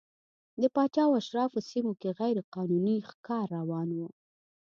د پاچا او اشرافو سیمو کې غیر قانوني ښکار روان و.